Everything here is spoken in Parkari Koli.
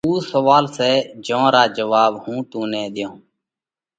اُو سوئال سئہ جيون را جواٻ ھُون تو نئين ۮيون۔